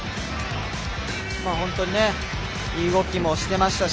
本当にいい動きもしていましたし。